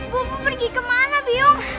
bobo pergi kemana biong